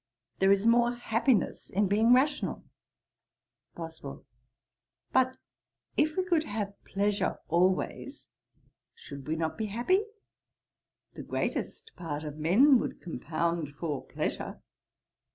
There is more happiness in being rational.' BOSWELL. 'But if we could have pleasure always, should not we be happy? The greatest part of men would compound for pleasure.'